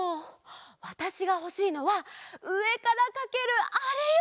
わたしがほしいのはうえからかけるあれよ！